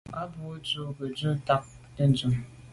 A bwô ndù be ghù ndà ke ndume.